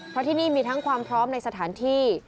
เพราะที่นี่มีทั้งความพร้อมในสถานที่